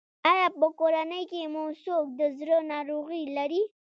ایا په کورنۍ کې مو څوک د زړه ناروغي لري؟